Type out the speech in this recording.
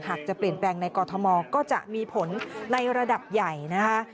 หากจะเปลี่ยนแปลงในกรทมก็จะมีผลในระดับใหญ่นะคะ